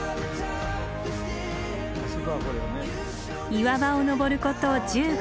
岩場を登ること１５分。